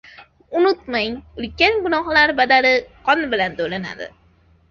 Unutmang! Ulkan gunohlar badali qon bilan to’lanadi!